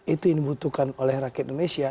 itu yang dibutuhkan oleh rakyat indonesia